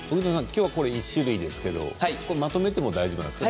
今日はこれ１種類ですけどまとめても大丈夫なんですか？